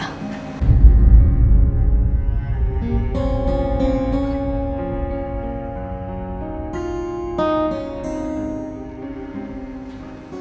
untuk balik ke rumah masa